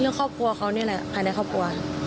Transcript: ครอบครัวเขานี่แหละภายในครอบครัว